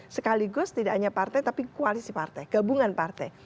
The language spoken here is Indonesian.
sekaligus tidak hanya partai tapi koalisi partai gabungan partai